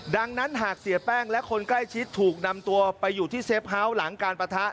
ดังนั้นหากเสียแป้งและคนใกล้ชิดถูกนำตัวไปอยู่ที่เซฟเฮาส์หลังการปะทะ